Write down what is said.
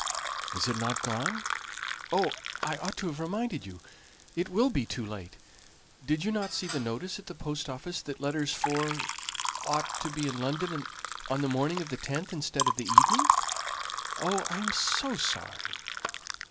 "Isn't it gone? Oh, I ought to have reminded you! It will be too late. Did you not see the notice at the post office that letters ought to be in London on the morning of the 10th instead of the evening. Oh, I am so sorry!"